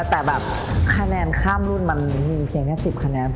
แต่แบบคะแนนข้ามรุ่นมันมีเพียงแค่๑๐คะแนน